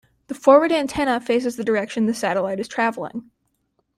The forward antenna faces the direction the satellite is travelling.